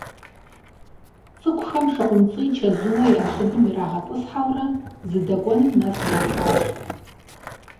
ЦӀыкӀухэм ШыкъумцӀий чэзууэ я щӀыбым ирагъэтӀысхьэурэ зыдэкӀуэнум нэс яхьащ.